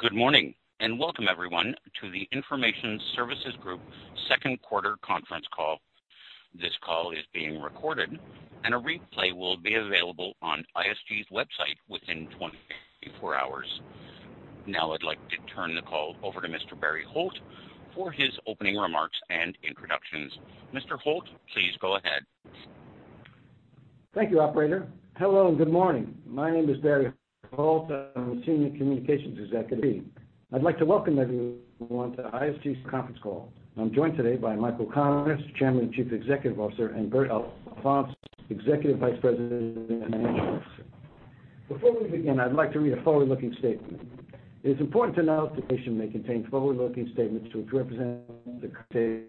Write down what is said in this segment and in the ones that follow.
Good morning, welcome everyone to the Information Services Group second quarter conference call. This call is being recorded, and a replay will be available on ISG's website within 24 hours. Now I'd like to turn the call over to Mr. Barry Holt for his opening remarks and introductions. Mr. Holt, please go ahead. Thank you, operator. Hello, good morning. My name is Barry Holt. I'm the Senior Communications Executive. I'd like to welcome everyone to ISG's conference call. I'm joined today by Michael Connors, Chairman and Chief Executive Officer, and Bert Alfonso, Executive Vice President and Chief Financial Officer. Before we begin, I'd like to read a forward-looking statement. It is important to note that the issue may contain forward-looking statements, which represent the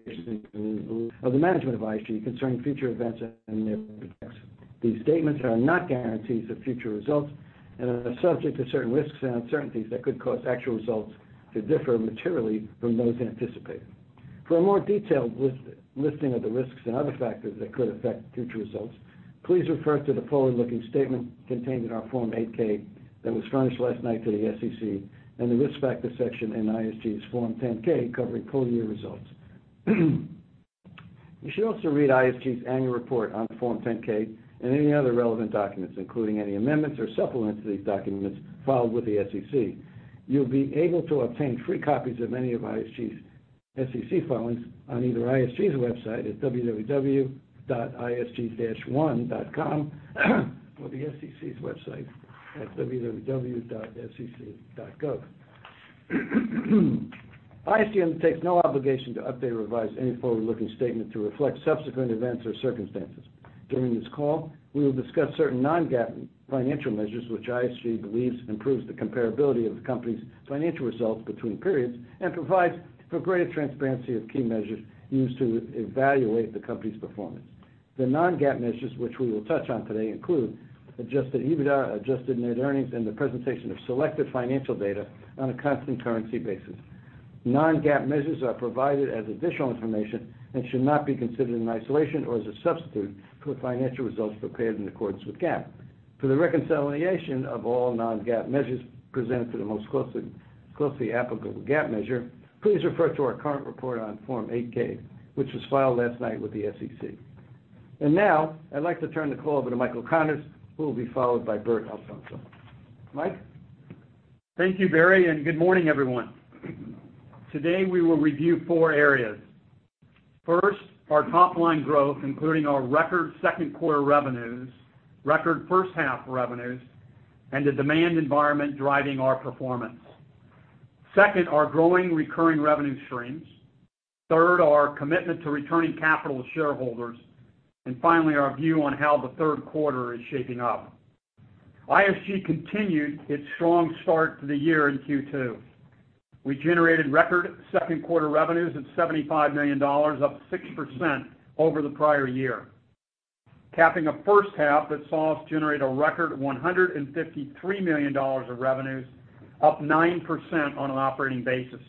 of the management of ISG concerning future events and their projects. These statements are not guarantees of future results and are subject to certain risks and uncertainties that could cause actual results to differ materially from those anticipated. For a more detailed list, listing of the risks and other factors that could affect future results, please refer to the forward-looking statement contained in our Form 8-K that was furnished last night to the SEC and the Risk Factor section in ISG's Form 10-K, covering full-year results. You should also read ISG's annual report on Form 10-K and any other relevant documents, including any amendments or supplements to these documents, filed with the SEC. You'll be able to obtain free copies of any of ISG's SEC filings on either ISG's website at www.isg-one.com, or the SEC's website at www.sec.gov. ISG undertakes no obligation to update or revise any forward-looking statement to reflect subsequent events or circumstances. During this call, we will discuss certain non-GAAP financial measures, which ISG believes improves the comparability of the company's financial results between periods and provides for greater transparency of key measures used to evaluate the company's performance. The non-GAAP measures, which we will touch on today, include adjusted EBITDA, adjusted net earnings, and the presentation of selected financial data on a constant currency basis. Non-GAAP measures are provided as additional information and should not be considered in isolation or as a substitute for financial results prepared in accordance with GAAP. For the reconciliation of all non-GAAP measures presented to the most closely applicable GAAP measure, please refer to our current report on Form 8-K, which was filed last night with the SEC. Now, I'd like to turn the call over to Michael Connors, who will be followed by Bert Alfonso. Mike? Thank you, Barry. Good morning, everyone. Today, we will review four areas. First, our top-line growth, including our record second quarter revenues, record first half revenues, and the demand environment driving our performance. Second, our growing recurring revenue streams. Third, our commitment to returning capital to shareholders. Finally, our view on how the third quarter is shaping up. ISG continued its strong start to the year in Q2. We generated record second-quarter revenues at $75 million, up 6% over the prior year, capping a first half that saw us generate a record $153 million of revenues, up 9% on an operating basis.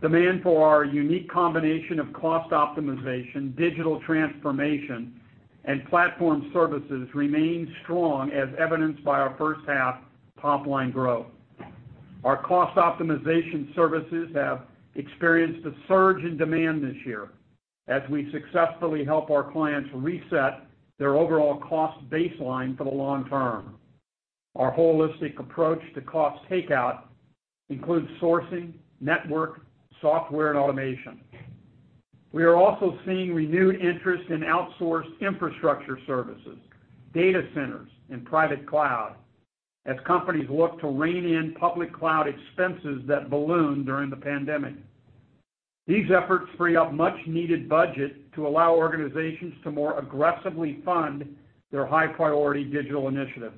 Demand for our unique combination of cost optimization, digital transformation, and platform services remains strong, as evidenced by our first half top-line growth. Our cost optimization services have experienced a surge in demand this year as we successfully help our clients reset their overall cost baseline for the long term. Our holistic approach to cost takeout includes sourcing, network, software, and automation. We are also seeing renewed interest in outsourced infrastructure services, data centers, and private cloud as companies look to rein in public cloud expenses that ballooned during the pandemic. These efforts free up much-needed budget to allow organizations to more aggressively fund their high-priority digital initiatives.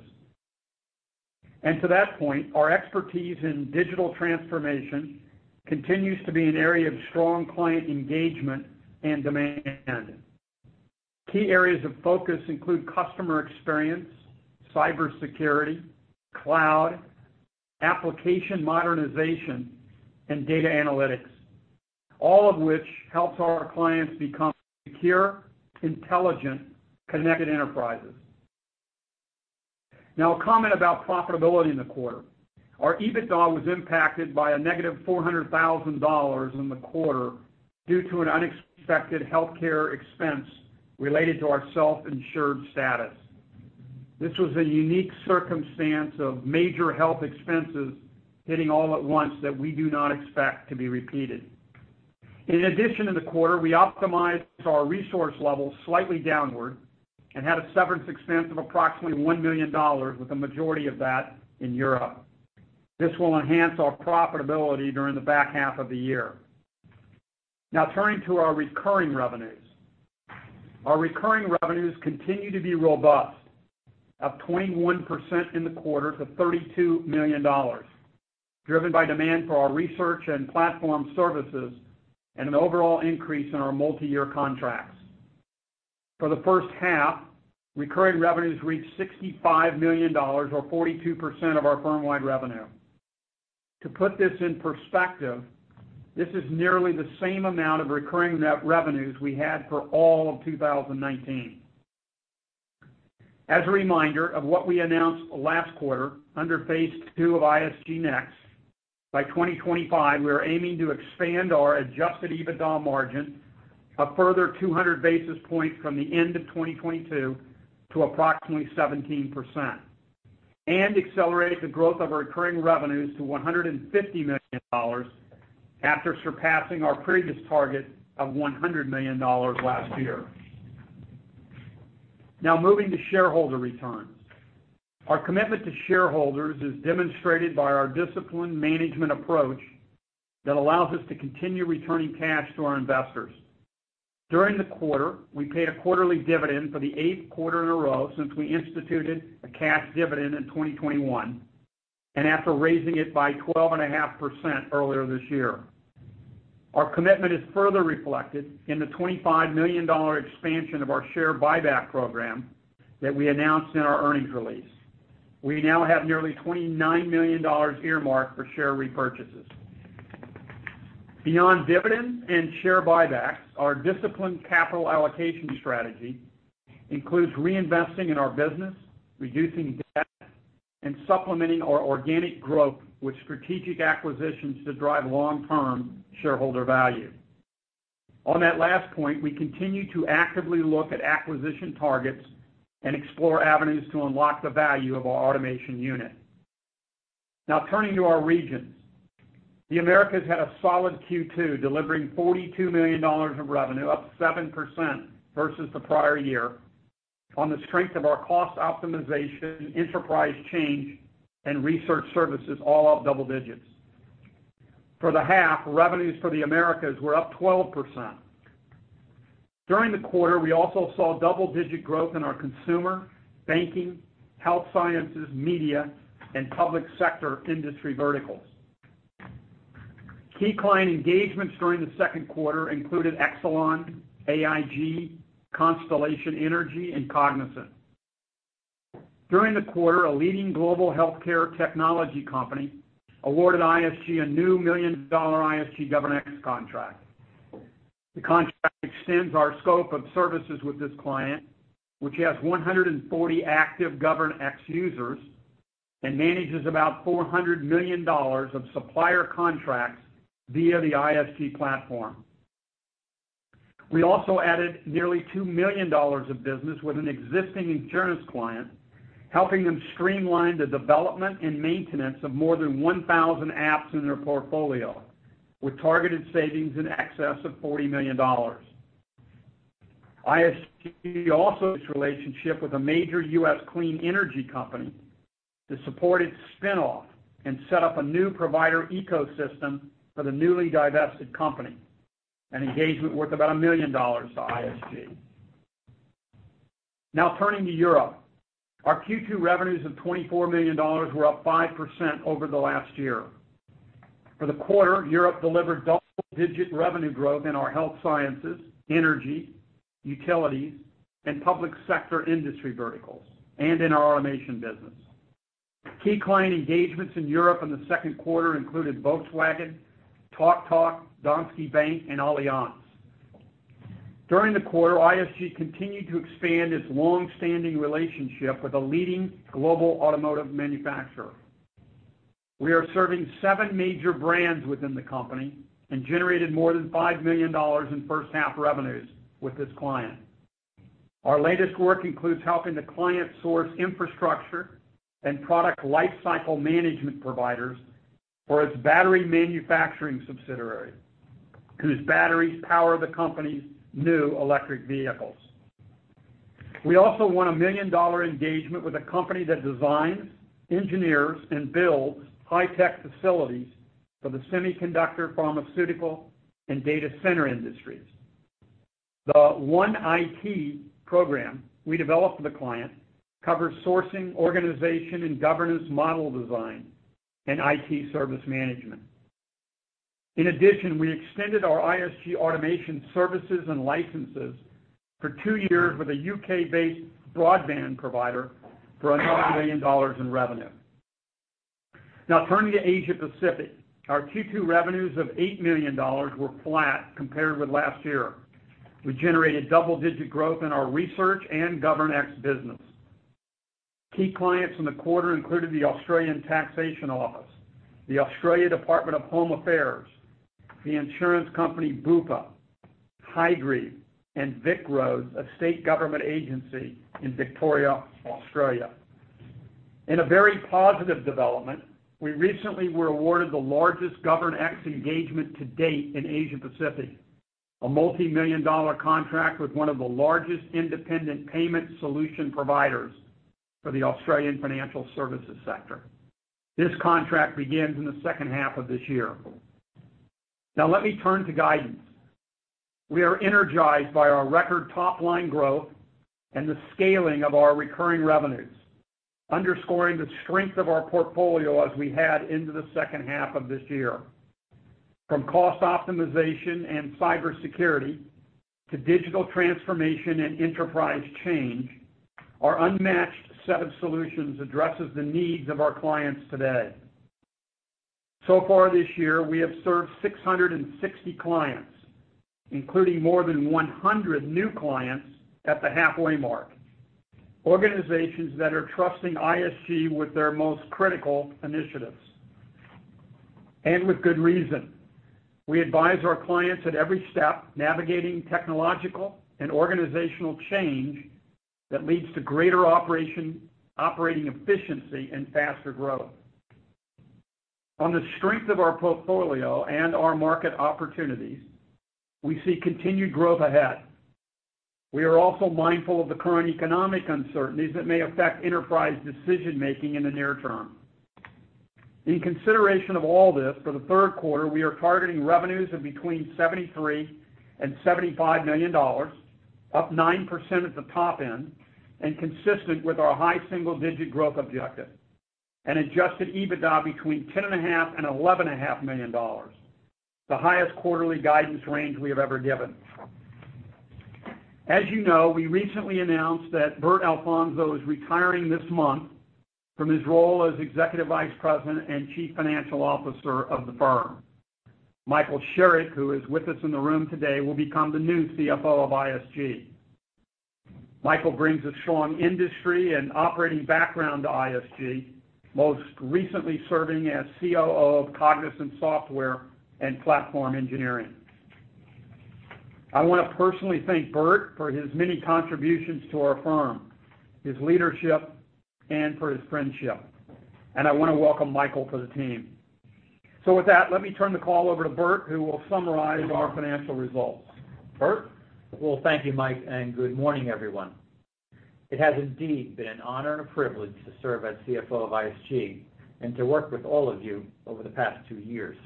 To that point, our expertise in digital transformation continues to be an area of strong client engagement and demand. Key areas of focus include customer experience, cybersecurity, cloud, application modernization, and data analytics, all of which helps our clients become secure, intelligent, connected enterprises. A comment about profitability in the quarter. Our EBITDA was impacted by a -$400,000 in the quarter due to an unexpected healthcare expense related to our self-insured status. This was a unique circumstance of major health expenses hitting all at once that we do not expect to be repeated. In addition, in the quarter, we optimized our resource levels slightly downward and had a severance expense of approximately $1 million, with the majority of that in Europe. This will enhance our profitability during the back half of the year. Turning to our recurring revenues. Our recurring revenues continue to be robust, up 21% in the quarter to $32 million, driven by demand for our research and platform services and an overall increase in our multiyear contracts. For the first half, recurring revenues reached $65 million, or 42% of our firm-wide revenue. To put this in perspective, this is nearly the same amount of recurring net revenues we had for all of 2019. As a reminder of what we announced last quarter under phase two of ISG Next, by 2025, we are aiming to expand our adjusted EBITDA margin a further 200 basis points from the end of 2022 to approximately 17%, and accelerate the growth of our recurring revenues to $150 million after surpassing our previous target of $100 million last year. Now moving to shareholder returns. Our commitment to shareholders is demonstrated by our disciplined management approach that allows us to continue returning cash to our investors. During the quarter, we paid a quarterly dividend for the eighth quarter in a row since we instituted a cash dividend in 2021, and after raising it by 12.5% earlier this year. Our commitment is further reflected in the $25 million expansion of our share buyback program that we announced in our earnings release. We now have nearly $29 million earmarked for share repurchases. Beyond dividends and share buybacks, our disciplined capital allocation strategy includes reinvesting in our business, reducing debt, and supplementing our organic growth with strategic acquisitions to drive long-term shareholder value. On that last point, we continue to actively look at acquisition targets and explore avenues to unlock the value of our automation unit. Turning to our regions. The Americas had a solid Q2, delivering $42 million of revenue, up 7% versus the prior year, on the strength of our cost optimization, enterprise change, and research services, all up double digits. For the half, revenues for the Americas were up 12%. During the quarter, we also saw double-digit growth in our consumer, banking, health sciences, media, and public sector industry verticals. Key client engagements during the second quarter included Exelon, AIG, Constellation Energy, and Cognizant. During the quarter, a leading global healthcare technology company awarded ISG a new million-dollar ISG GovernX contract. The contract extends our scope of services with this client, which has 140 active GovernX users and manages about $400 million of supplier contracts via the ISG platform. We also added nearly $2 million of business with an existing insurance client, helping them streamline the development and maintenance of more than 1,000 apps in their portfolio, with targeted savings in excess of $40 million. ISG also relationship with a major U.S. clean energy company to support its spin-off and set up a new provider ecosystem for the newly divested company, an engagement worth about $1 million to ISG. Now turning to Europe. Our Q2 revenues of $24 million were up 5% over the last year. For the quarter, Europe delivered double-digit revenue growth in our health sciences, energy, utilities, and public sector industry verticals, and in our automation business. Key client engagements in Europe in the second quarter included Volkswagen, TalkTalk, Danske Bank, and Allianz. During the quarter, ISG continued to expand its long-standing relationship with a leading global automotive manufacturer. We are serving seven major brands within the company and generated more than $5 million in first half revenues with this client. Our latest work includes helping the client source infrastructure and product lifecycle management providers for its battery manufacturing subsidiary, whose batteries power the company's new electric vehicles. We also won a $1 million engagement with a company that designs, engineers, and builds high-tech facilities for the semiconductor, pharmaceutical, and data center industries. The OneIT program we developed for the client covers sourcing, organization, and governance model design, and IT service management. In addition, we extended our ISG automation services and licenses for two years with a U.K.-based broadband provider for another $1 million in revenue. Now turning to Asia Pacific. Our Q2 revenues of $8 million were flat compared with last year. We generated double-digit growth in our research and governance business. Key clients in the quarter included the Australian Taxation Office, the Australian Department of Home Affairs, the insurance company Bupa, Ausgrid, and VicRoads, a state government agency in Victoria, Australia. In a very positive development, we recently were awarded the largest GovernX engagement to date in Asia Pacific, a multimillion-dollar contract with one of the largest independent payment solution providers for the Australian financial services sector. This contract begins in the second half of this year. Now let me turn to guidance. We are energized by our record top-line growth and the scaling of our recurring revenues, underscoring the strength of our portfolio as we head into the second half of this year. From cost optimization and cybersecurity to digital transformation and enterprise change, our unmatched set of solutions addresses the needs of our clients today. Far this year, we have served 660 clients, including more than 100 new clients at the halfway mark, organizations that are trusting ISG with their most critical initiatives, and with good reason. We advise our clients at every step, navigating technological and organizational change that leads to greater operating efficiency and faster growth. On the strength of our portfolio and our market opportunities, we see continued growth ahead. We are also mindful of the current economic uncertainties that may affect enterprise decision-making in the near term. In consideration of all this, for the third quarter, we are targeting revenues of between $73 million and $75 million, up 9% at the top end, and consistent with our high single-digit growth objective, and adjusted EBITDA between $10.5 million and $11.5 million, the highest quarterly guidance range we have ever given. As you know, we recently announced that Bert Alfonso is retiring this month from his role as Executive Vice President and Chief Financial Officer of the firm. Michael Sherrick, who is with us in the room today, will become the new CFO of ISG. Michael brings a strong industry and operating background to ISG, most recently serving as COO of Cognizant Software and Platform Engineering. I want to personally thank Bert for his many contributions to our firm, his leadership, and for his friendship, and I want to welcome Michael to the team. With that, let me turn the call over to Bert, who will summarize our financial results. Bert? Well, thank you, Mike. Good morning, everyone. It has indeed been an honor and a privilege to serve as CFO of ISG and to work with all of you over the past two years,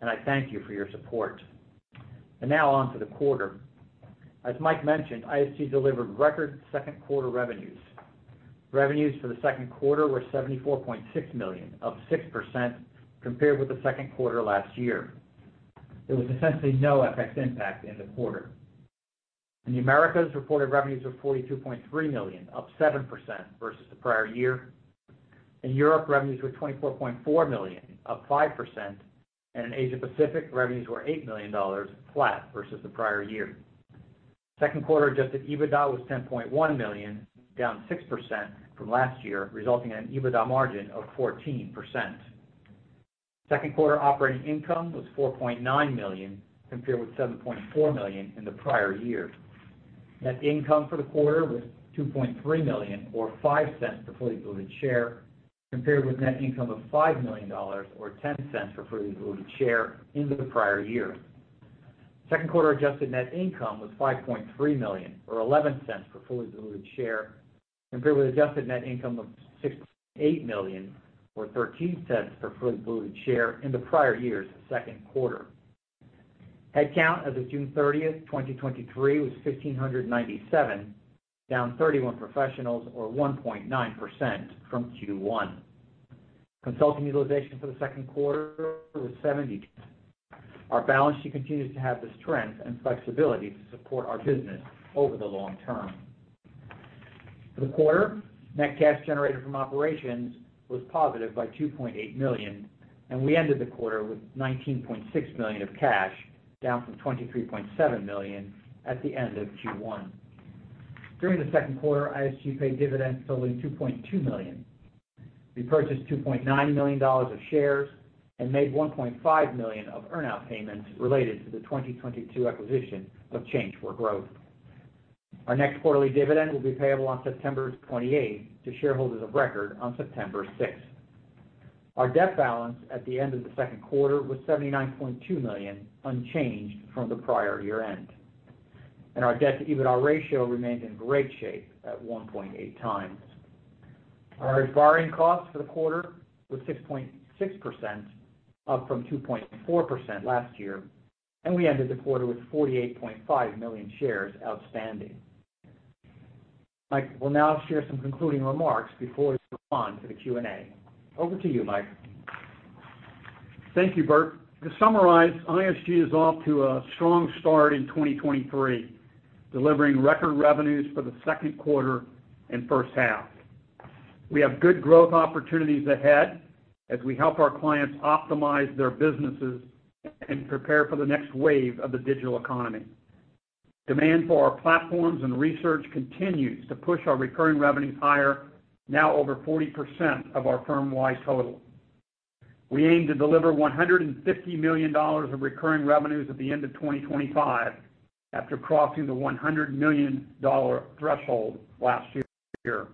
and I thank you for your support. Now on to the quarter. As Mike mentioned, ISG delivered record second quarter revenues. Revenues for the second quarter were $74.6 million, up 6% compared with the second quarter last year. There was essentially no FX impact in the quarter. In the Americas, reported revenues were $42.3 million, up 7% versus the prior year. In Europe, revenues were $24.4 million, up 5%, and in Asia Pacific, revenues were $8 million, flat versus the prior year. Second quarter adjusted EBITDA was $10.1 million, down 6% from last year, resulting in an EBITDA margin of 14%. Second quarter operating income was $4.9 million, compared with $7.4 million in the prior year. Net income for the quarter was $2.3 million, or $0.05 per fully diluted share, compared with net income of $5 million, or $0.10 per fully diluted share in the prior year. Second quarter adjusted net income was $5.3 million, or $0.11 per fully diluted share, compared with adjusted net income of $6.8 million, or $0.13 per fully diluted share in the prior year's second quarter. Headcount as of June 30th, 2023, was 1,597, down 31 professionals or 1.9% from Q1. Consulting utilization for the second quarter was 70%. Our balance sheet continues to have the strength and flexibility to support our business over the long term. For the quarter, net cash generated from operations was positive by $2.8 million. We ended the quarter with $19.6 million of cash, down from $23.7 million at the end of Q1. During the second quarter, ISG paid dividends totaling $2.2 million. We purchased $2.9 million of shares and made $1.5 million of earn out payments related to the 2022 acquisition of Change 4 Growth. Our next quarterly dividend will be payable on September 28th to shareholders of record on September 6th. Our debt balance at the end of the second quarter was $79.2 million, unchanged from the prior year-end, and our debt-to-EBITDA ratio remains in great shape at 1.8x. Our borrowing cost for the quarter was 6.6%, up from 2.4% last year, and we ended the quarter with 48.5 million shares outstanding. Mike will now share some concluding remarks before we move on to the Q&A. Over to you, Mike. Thank you, Bert. To summarize, ISG is off to a strong start in 2023, delivering record revenues for the second quarter and first half. We have good growth opportunities ahead as we help our clients optimize their businesses and prepare for the next wave of the digital economy. Demand for our platforms and research continues to push our recurring revenues higher, now over 40% of our firm-wide total. We aim to deliver $150 million of recurring revenues at the end of 2025, after crossing the $100 million threshold last year.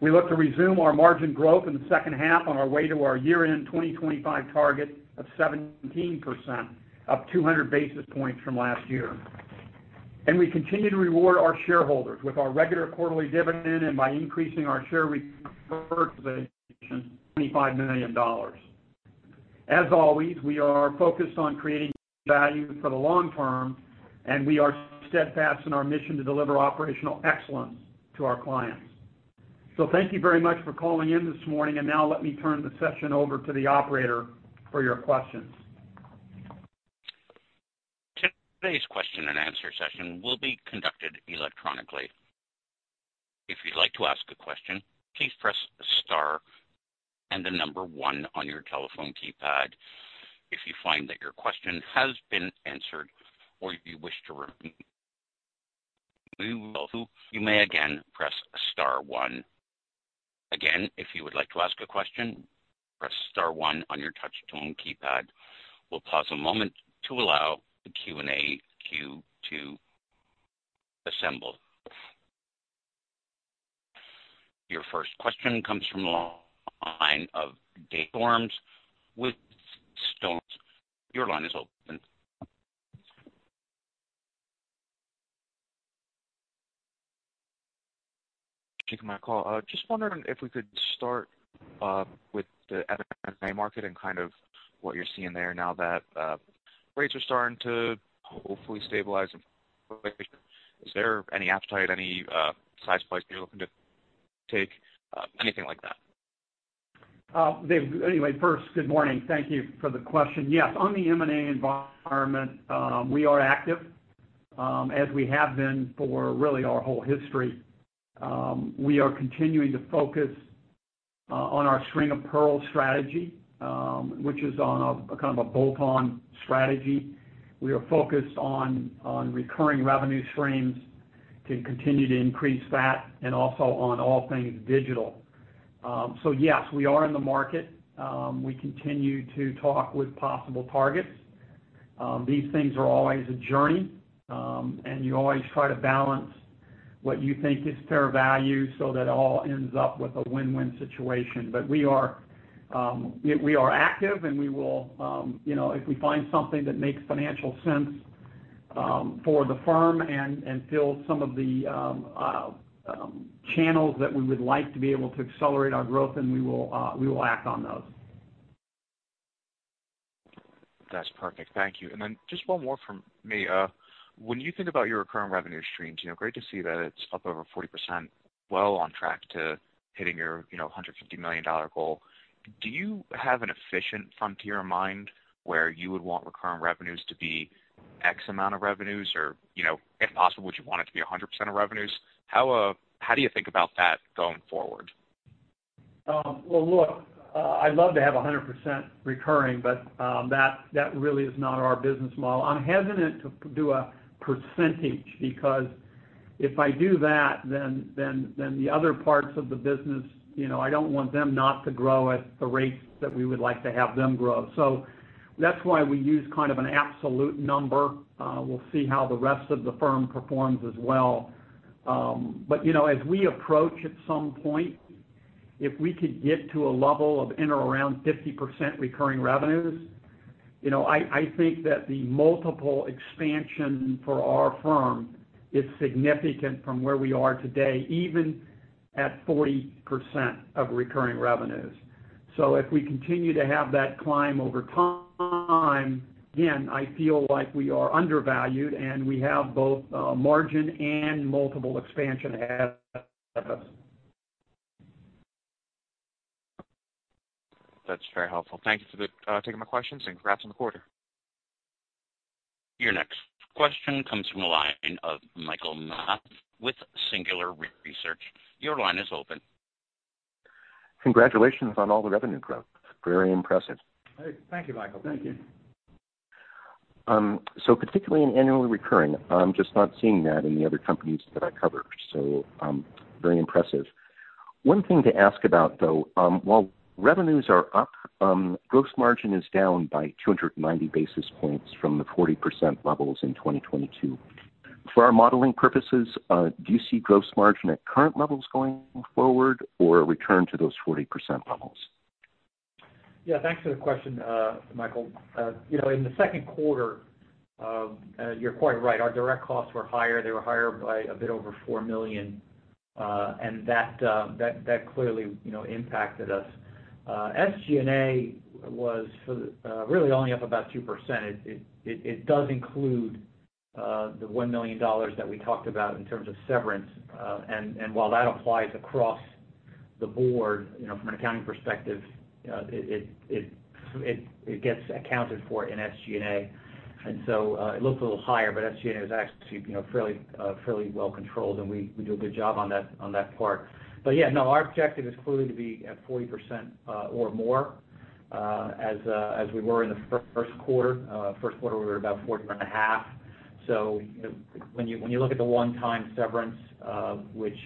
We look to resume our margin growth in the second half on our way to our year-end 2025 target of 17%, up 200 basis points from last year. We continue to reward our shareholders with our regular quarterly dividend and by increasing our share repurchase, $25 million. As always, we are focused on creating value for the long term, and we are steadfast in our mission to deliver operational excellence to our clients. Thank you very much for calling in this morning. Now let me turn the session over to the operator for your questions. Today's question and answer session will be conducted electronically. If you'd like to ask a question, please press star and the number one on your telephone keypad. If you find that your question has been answered or you wish to remove, you may again press star one. Again, if you would like to ask a question, press star one on your touchtone keypad. We'll pause a moment to allow the Q&A queue to assemble. Your first question comes from the line of Dave Storms with Stonegate. Your line is open. Thank you for my call. Just wondering if we could start with the M&A market and kind of what you're seeing there now that rates are starting to hopefully stabilize. Is there any appetite, any size place you're looking to take? Anything like that? Dave, anyway, first, good morning. Thank you for the question. Yes, on the M&A environment, we are active, as we have been for really our whole history. We are continuing to focus on our string of pearls strategy, which is on a, kind of a bolt-on strategy. We are focused on, on recurring revenue streams to continue to increase that and also on all things digital. Yes, we are in the market. We continue to talk with possible targets. These things are always a journey, and you always try to balance what you think is fair value so that it all ends up with a win-win situation. We are, we are active, and we will, you know, if we find something that makes financial sense, for the firm and fills some of the channels that we would like to be able to accelerate our growth, then we will, we will act on those. That's perfect. Thank you. Then just one more from me. When you think about your recurring revenue streams, you know, great to see that it's up over 40%, well on track to hitting your, you know, $150 million goal. Do you have an efficient frontier in mind, where you would want recurring revenues to be X amount of revenues? You know, if possible, would you want it to be 100% of revenues? How, how do you think about that going forward? Well, look, I'd love to have 100% recurring, but that, that really is not our business model. I'm hesitant to do a percentage, because if I do that, then, then, then the other parts of the business, you know, I don't want them not to grow at the rates that we would like to have them grow. That's why we use kind of an absolute number. We'll see how the rest of the firm performs as well. But, you know, as we approach at some point, if we could get to a level of in or around 50% recurring revenues, you know, I, I think that the multiple expansion for our firm is significant from where we are today, even at 40% of recurring revenues. If we continue to have that climb over time, again, I feel like we are undervalued, and we have both margin and multiple expansion ahead of us. That's very helpful. Thank you for the taking my questions and congrats on the quarter. Your next question comes from the line of Michael Mathison with Singular Research. Your line is open. Congratulations on all the revenue growth. Very impressive. Thank you, Michael. Thank you. Particularly in annually recurring, I'm just not seeing that in the other companies that I cover, so very impressive. One thing to ask about, though, while revenues are up, gross margin is down by 290 basis points from the 40% levels in 2022. For our modeling purposes, do you see gross margin at current levels going forward or a return to those 40% levels? Yeah, thanks for the question, Michael. You know, in the second quarter, you're quite right, our direct costs were higher. They were higher by a bit over $4 million, and that, that clearly, you know, impacted us. SG&A was for, really only up about 2%. It, it, it, it does include the $1 million that we talked about in terms of severance, and, and while that applies across the board, you know, from an accounting perspective, it, it, gets accounted for in SG&A. It looks a little higher, but SG&A is actually, you know, fairly, fairly well controlled, and we, we do a good job on that, on that part. Yeah, no, our objective is clearly to be at 40% or more as we were in the first quarter. First quarter, we were about 14.5%. When you, when you look at the one-time severance, which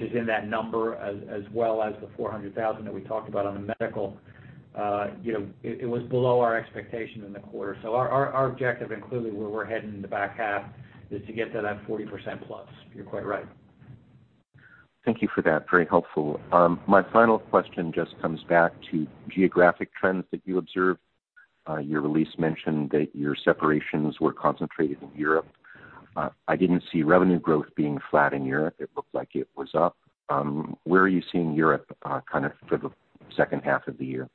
is in that number, as well as the $400,000 that we talked about on the medical, you know, it, it was below our expectation in the quarter. Our, our, our objective and clearly where we're heading in the back half, is to get that at 40%+. You're quite right. Thank you for that. Very helpful. My final question just comes back to geographic trends that you observed. Your release mentioned that your separations were concentrated in Europe. I didn't see revenue growth being flat in Europe. It looked like it was up. Where are you seeing Europe, kind of for the second half of the year?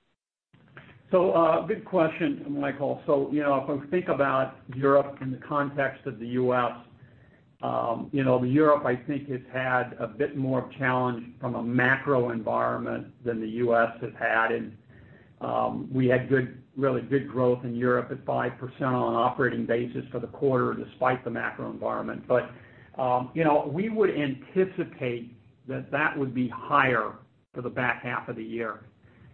Good question, Michael. You know, if we think about Europe in the context of the U.S. You know, Europe, I think, has had a bit more of challenge from a macro environment than the U.S. has had. We had good, really good growth in Europe at 5% on an operating basis for the quarter, despite the macro environment. You know, we would anticipate that that would be higher for the back half of the year.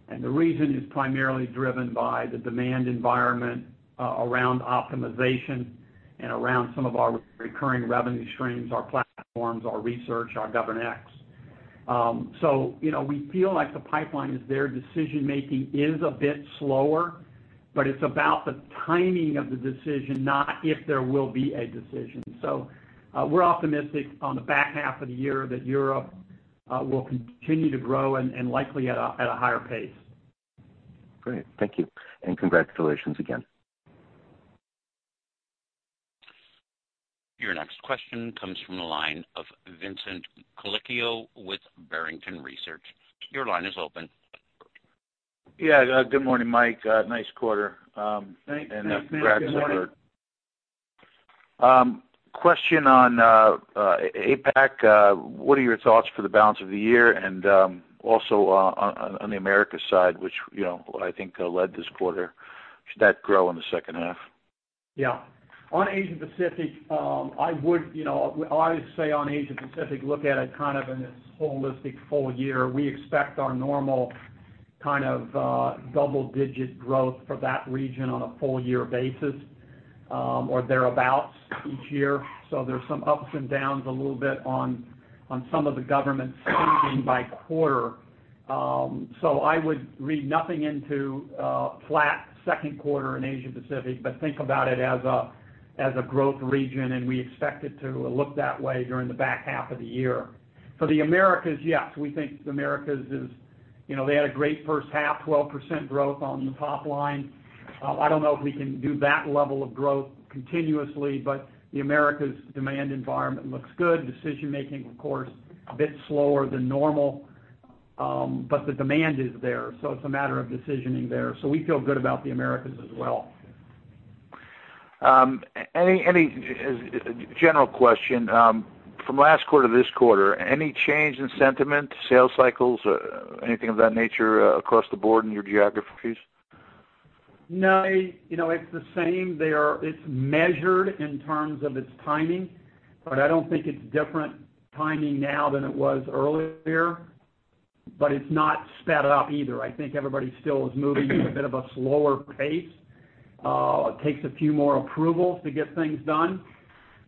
The reason is primarily driven by the demand environment, around optimization and around some of our recurring revenue streams, our platforms, our research, our GovernX. You know, we feel like the pipeline is there. Decision-making is a bit slower, but it's about the timing of the decision, not if there will be a decision. We're optimistic on the back half of the year that Europe will continue to grow and, and likely at a, at a higher pace. Great. Thank you, and congratulations again. Your next question comes from the line of Vincent Colicchio with Barrington Research. Your line is open. Yeah, good morning, Mike. Nice quarter. Thanks, Vince. Good morning. Congrats on it. Question on APAC. What are your thoughts for the balance of the year? Also, on the Americas side, which, you know, I think, led this quarter, should that grow in the second half? Yeah. On Asia Pacific, I would, you know, I would say on Asia Pacific, look at it kind of in a holistic full year. We expect our normal kind of, double-digit growth for that region on a full year basis, or thereabout each year. There's some ups and downs a little bit on, on some of the governments changing by quarter. I would read nothing into flat second quarter in Asia Pacific, but think about it as a, as a growth region, and we expect it to look that way during the back half of the year. The Americas, yes, we think the Americas is... You know, they had a great first half, 12% growth on the top line. I don't know if we can do that level of growth continuously, but the Americas' demand environment looks good. Decision-making, of course, a bit slower than normal, but the demand is there, so it's a matter of decisioning there. We feel good about the Americas as well. Any, any, general question, from last quarter to this quarter, any change in sentiment, sales cycles, anything of that nature, across the board in your geographies? No, you know, it's the same. It's measured in terms of its timing, but I don't think it's different timing now than it was earlier, but it's not sped up either. I think everybody still is moving at a bit of a slower pace. It takes a few more approvals to get things done.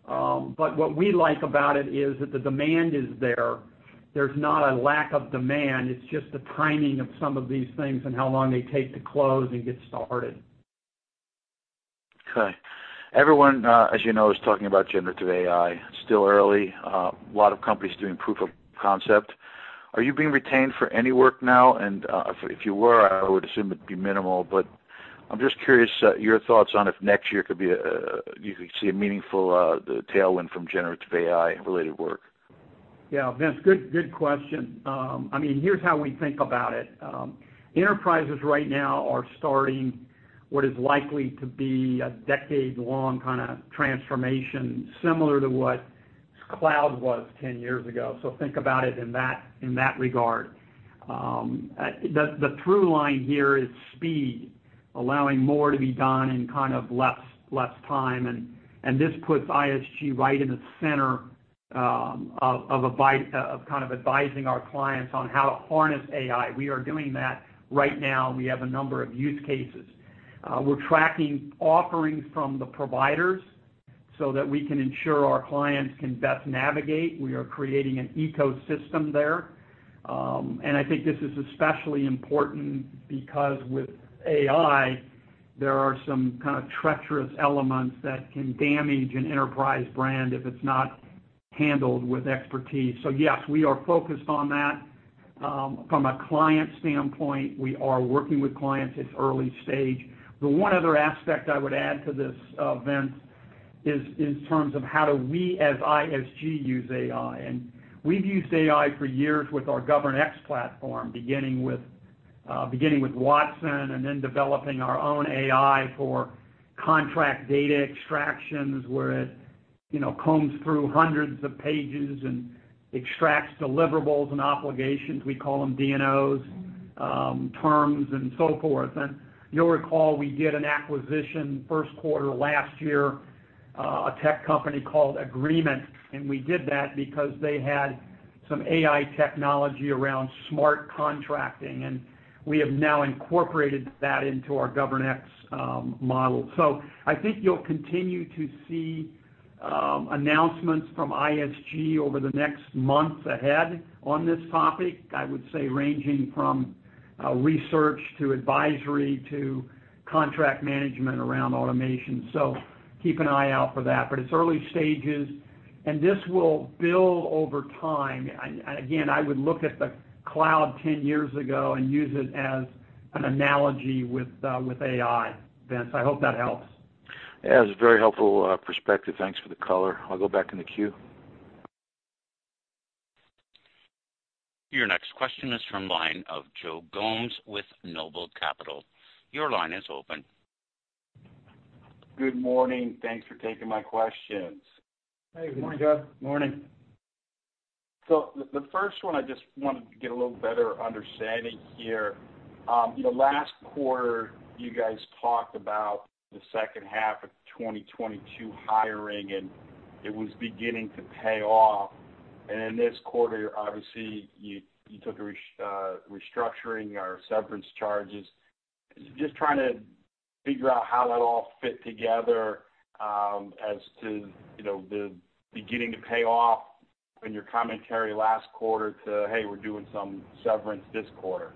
What we like about it is that the demand is there. There's not a lack of demand, it's just the timing of some of these things and how long they take to close and get started. Okay. Everyone, as you know, is talking about generative AI. Still early, a lot of companies doing proof of concept. Are you being retained for any work now? If you were, I would assume it'd be minimal, but I'm just curious, your thoughts on if next year could be a you could see a meaningful, tailwind from generative AI-related work. Yeah, Vince, good, good question. I mean, here's how we think about it. Enterprises right now are starting what is likely to be a decade-long kind of transformation, similar to what cloud was 10 years ago. Think about it in that, in that regard. The, the through line here is speed, allowing more to be done in kind of less, less time, and, and this puts ISG right in the center of kind of advising our clients on how to harness AI. We are doing that right now. We have a number of use cases. We're tracking offerings from the providers so that we can ensure our clients can best navigate. We are creating an ecosystem there. I think this is especially important because with AI, there are some kind of treacherous elements that can damage an enterprise brand if it's not handled with expertise. Yes, we are focused on that. From a client standpoint, we are working with clients. It's early stage. The one other aspect I would add to this, Vince, is, is terms of how do we, as ISG, use AI? We've used AI for years with our GovernX platform, beginning with, beginning with Watson and then developing our own AI for contract data extractions, where it, you know, combs through hundreds of pages and extracts deliverables and obligations, we call them DNOs, terms and so forth. You'll recall we did an acquisition 1st quarter last year, a tech company called Agreemint, and we did that because they had some AI technology around smart contracting, and we have now incorporated that into our GovernX model. I think you'll continue to see announcements from ISG over the next months ahead on this topic. I would say ranging from research to advisory to contract management around automation. Keep an eye out for that. It's early stages, and this will build over time. Again, I would look at the cloud 10 years ago and use it as an analogy with AI, Vince. I hope that helps. Yeah, it's a very helpful perspective. Thanks for the color. I'll go back in the queue. Your next question is from line of Joe Gomes with NOBLE Capital. Your line is open. Good morning. Thanks for taking my questions. Hey, good morning, Joe. Morning. The, the first one, I just wanted to get a little better understanding here. You know, last quarter, you guys talked about the second half of 2022 hiring, and it was beginning to pay off. In this quarter, obviously, you, you took a restructuring or severance charges. Just trying to figure out how that all fit together, as to, you know, the beginning to pay off in your commentary last quarter to, "Hey, we're doing some severance this quarter.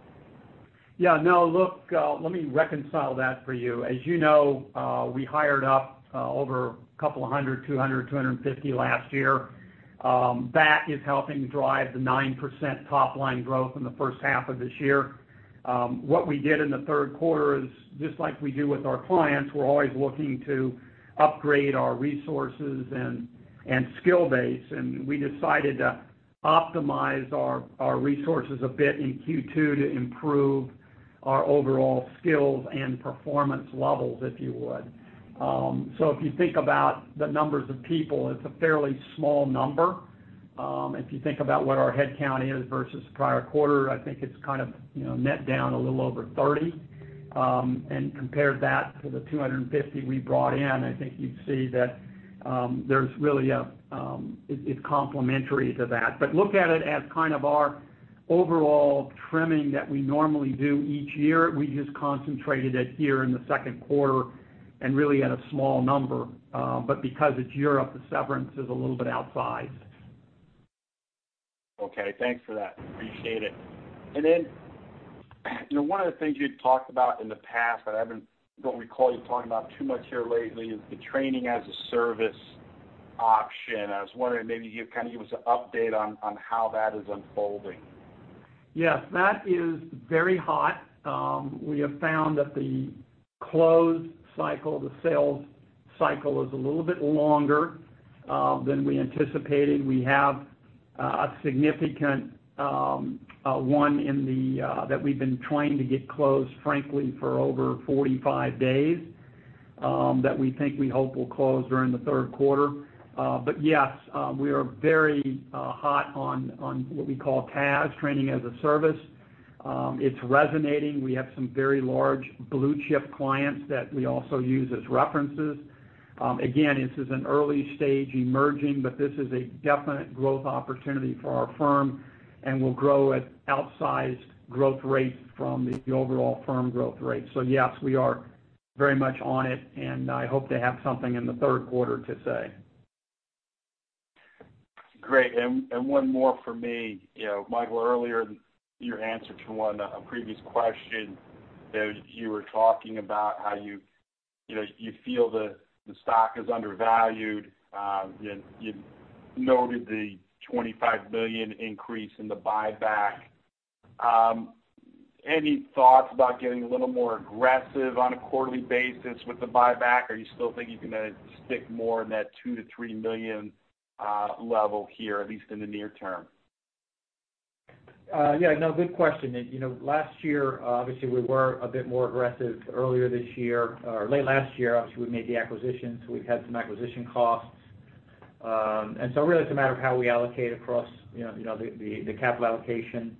Yeah, no, look, let me reconcile that for you. As you know, we hired up over a couple of hundred, 200, 250 last year. That is helping drive the 9% top line growth in the first half of this year. What we did in the 3rd quarter is, just like we do with our clients, we're always looking to upgrade our resources and, and skill base, and we decided to optimize our, our resources a bit in Q2 to improve our overall skills and performance levels, if you would. So if you think about the numbers of people, it's a fairly small number. If you think about what our headcount is versus the prior quarter, I think it's kind of, you know, net down a little over 30. Compare that to the 250 we brought in, I think you'd see that, there's really a, it's, it's complementary to that. But look at it as kind of our overall trimming that we normally do each year. We just concentrated it here in the second quarter and really at a small number. But because it's Europe, the severance is a little bit outsized. Okay, thanks for that. Appreciate it. You know, one of the things you'd talked about in the past, but I don't recall you talking about too much here lately, is the Training-as-a-Service option. I was wondering if maybe you kind of give us an update on how that is unfolding. Yes, that is very hot. We have found that the closed cycle, the sales cycle, is a little bit longer than we anticipated. We have a significant one in the that we've been trying to get closed, frankly, for over 45 days that we think we hope will close during the third quarter. Yes, we are very hot on what we call TaaS, Training-as-a-Service. It's resonating. We have some very large blue-chip clients that we also use as references. Again, this is an early stage emerging, but this is a definite growth opportunity for our firm, and will grow at outsized growth rate from the overall firm growth rate. Yes, we are very much on it, and I hope to have something in the third quarter to say. Great. One more for me. You know, Michael, earlier in your answer to one, a previous question, that you were talking about how you, you know, you feel the, the stock is undervalued. You, you noted the $25 million increase in the buyback. Any thoughts about getting a little more aggressive on a quarterly basis with the buyback, or you still think you're gonna stick more in that $2 million-$3 million level here, at least in the near term? Yeah, no, good question. You know, last year, obviously we were a bit more aggressive earlier this year, or late last year, obviously, we made the acquisition, so we've had some acquisition costs. Really, it's a matter of how we allocate across, you know, you know, the, the capital allocation.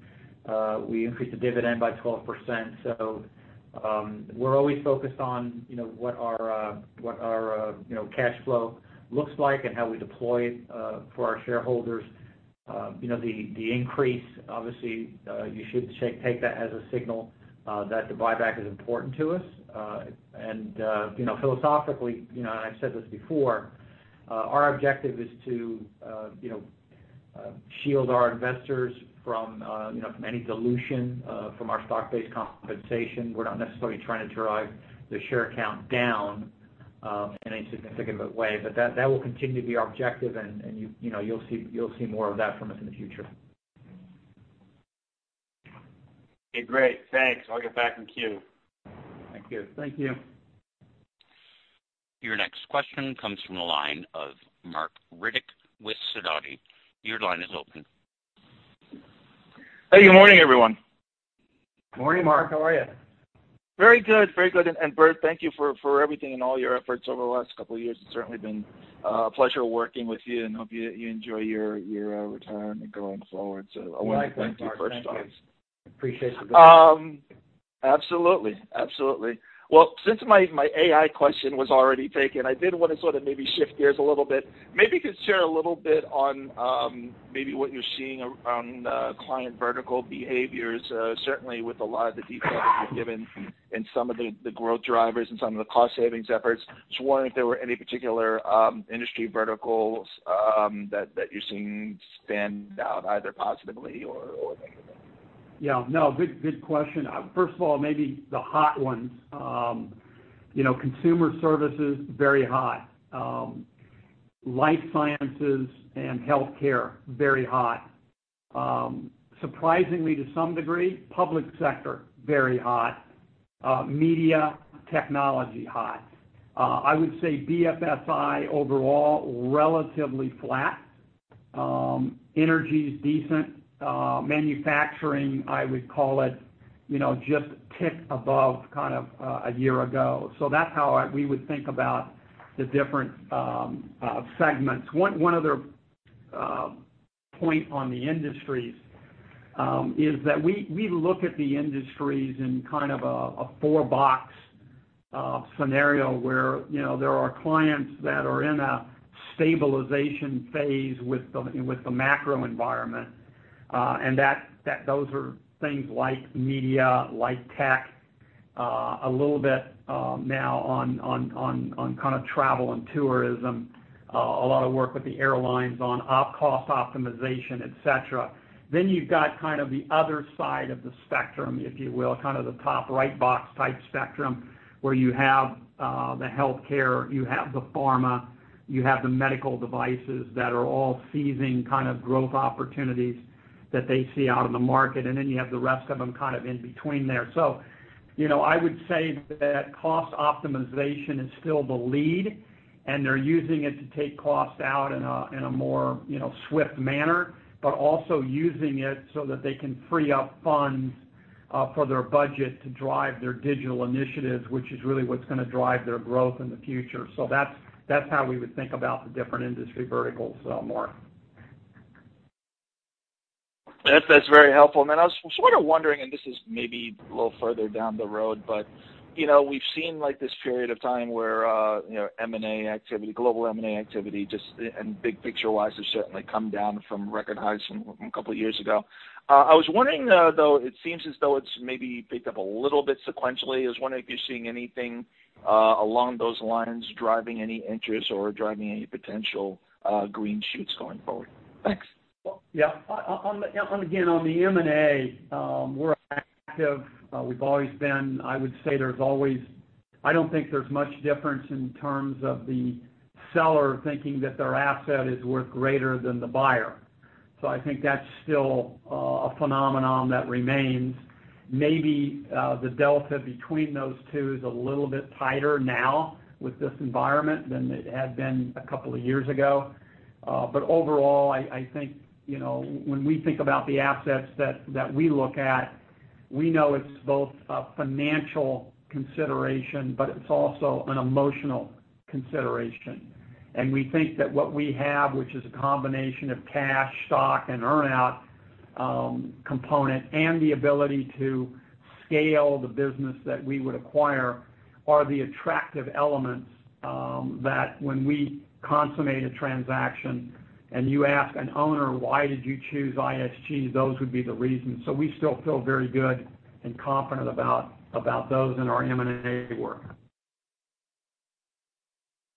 We increased the dividend by 12%. We're always focused on, you know, what our, what our, you know, cash flow looks like and how we deploy it for our shareholders. You know, the, the increase, obviously, you should take that as a signal that the buyback is important to us. You know, philosophically, you know, and I've said this before, our objective is to, you know, shield our investors from, you know, from any dilution, from our stock-based compensation. We're not necessarily trying to drive the share count down, in any significant way, but that, that will continue to be our objective, and, and you, you know, you'll see, you'll see more of that from us in the future. Okay, great. Thanks. I'll get back in queue. Thank you. Thank you. Your next question comes from the line of Marc Riddick with Sidoti. Your line is open. Hey, good morning, everyone. Good morning, Marc. How are you? Very good, very good. Bert, thank you for, for everything and all your efforts over the last couple of years. It's certainly been a pleasure working with you, and hope you, you enjoy your, your retirement going forward. We like that, Marc. Thank you. Absolutely, absolutely. Well, since my, my AI question was already taken, I did want to sort of maybe shift gears a little bit. Maybe you could share a little bit on, maybe what you're seeing around client vertical behaviors, certainly with a lot of the detail that you've given in some of the, the growth drivers and some of the cost savings efforts. Just wondering if there were any particular industry verticals that, that you're seeing stand out, either positively or, or negatively? Yeah, no, good, good question. First of all, maybe the hot ones. You know, consumer services, very hot. Life sciences and healthcare, very hot. Surprisingly, to some degree, public sector, very hot. Media, technology, high. I would say BFSI, overall, relatively flat. Energy is decent. Manufacturing, I would call it, you know, just tick above kind of a year ago. That's how I- we would think about the different segments. One, one other point on the industries is that we, we look at the industries in kind of a four box scenario, where, you know, there are clients that are in a stabilization phase with the macro environment, and that, those are things like media, like tech, a little bit, now on, on, on, on kind of travel and tourism, a lot of work with the airlines on op cost optimization, et cetera. You've got kind of the other side of the spectrum, if you will, kind of the top right box type spectrum, where you have the healthcare, you have the pharma, you have the medical devices that are all seizing kind of growth opportunities that they see out in the market, and then you have the rest of them kind of in between there. You know, I would say that cost optimization is still the lead, and they're using it to take costs out in a, in a more, you know, swift manner, but also using it so that they can free up funds for their budget to drive their digital initiatives, which is really what's gonna drive their growth in the future. That's, that's how we would think about the different industry verticals, Marc. That's, that's very helpful. I was sort of wondering, and this is maybe a little further down the road, but, you know, we've seen, like, this period of time where, you know, M&A activity, global M&A activity, just and big picture-wise, has certainly come down from record highs from two years ago. I was wondering, though, it seems as though it's maybe picked up a little bit sequentially. I was wondering if you're seeing anything along those lines, driving any interest or driving any potential green shoots going forward? Thanks. Well, yeah. On the, on again, on the M&A, we're active. We've always been... I would say there's always, I don't think there's much difference in terms of the seller thinking that their asset is worth greater than the buyer. I think that's still a phenomenon that remains. Maybe the delta between those two is a little bit tighter now with this environment than it had been a couple of years ago. Overall, I, I think, you know, when we think about the assets that, that we look at, we know it's both a financial consideration, but it's also an emotional consideration. We think that what we have, which is a combination of cash, stock, and earn-out, component, and the ability to scale the business that we would acquire, are the attractive elements that when we consummate a transaction and you ask an owner, "Why did you choose ISG?" Those would be the reasons. We still feel very good and confident about, about those in our M&A work.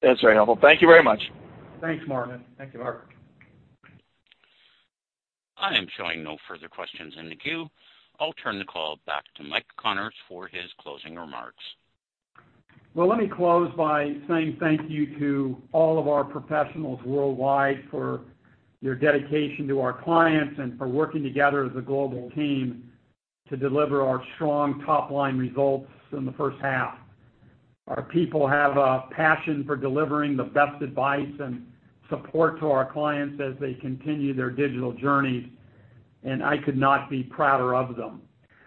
That's very helpful. Thank you very much. Thanks, Marc. Thank you, Marc. I am showing no further questions in the queue. I'll turn the call back to Mike Connors for his closing remarks. Well, let me close by saying thank you to all of our professionals worldwide for your dedication to our clients and for working together as a global team to deliver our strong top-line results in the first half. Our people have a passion for delivering the best advice and support to our clients as they continue their digital journey, and I could not be prouder of them.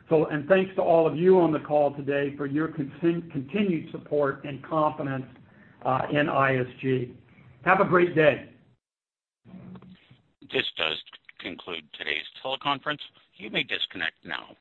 Thanks to all of you on the call today for your continued support and confidence in ISG. Have a great day. This does conclude today's teleconference. You may disconnect now.